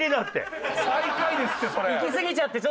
最下位ですってそれ。